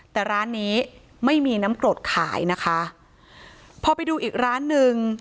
แต่ร้านนี้ไม่มีน้ำกรดขายนะคะพอไปดูอีกร้านหนึ่ง